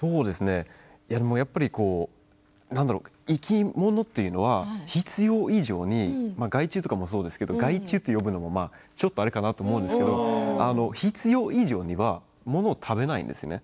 やっぱり生き物というのは必要以上に害虫もそうですけど害虫と呼ぶのもあれかなと思うんですけど必要以上には物を食べないですね。